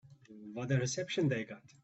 What a reception they got.